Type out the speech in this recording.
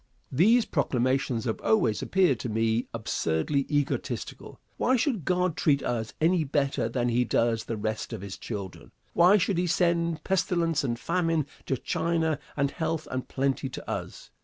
These proclamations have always appeared to me absurdly egotistical. Why should God treat us any better than he does the rest of his children? Why should he send pestilence and famine to China, and health and plenty to us?